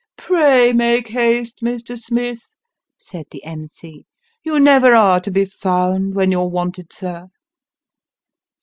" Pray make haste, Mr. Smith," said the M.C. " You never are to be found when you're wanted, sir."